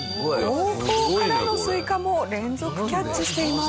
後方からのスイカも連続キャッチしています。